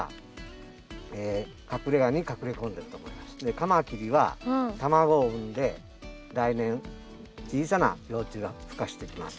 カマキリは卵を産んで来年小さな幼虫がふ化してきます。